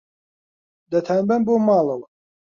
دەتانبەم بۆ ماڵەوە.